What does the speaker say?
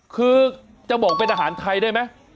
คือจะบอกเป็นอาหารไทยได้ไหม